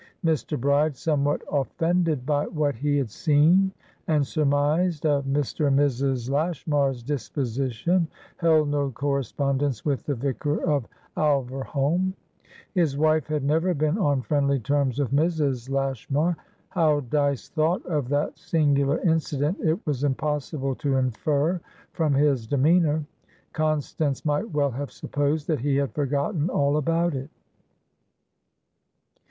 Mr. Bride, somewhat offended by what he had seen and surmised of Mr. and Mrs. Lashmar's disposition, held no correspondence with the vicar of Alverholme; his wife had never been on friendly terms with Mrs. Lashmar. How Dyce thought of that singular incident it was impossible to infer from his demeanour; Constance might well have supposed that he had forgotten all about it.